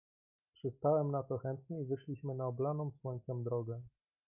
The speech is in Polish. "Przystałem na to chętnie i wyszliśmy na oblaną słońcem drogę."